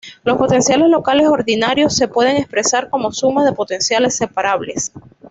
Los potenciales locales ordinarios se pueden expresar como sumas de potenciales separables.